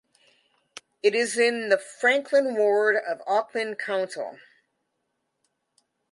It is in the Franklin Ward of Auckland Council.